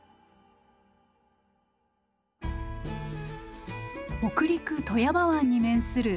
北陸・富山湾に面する富山市。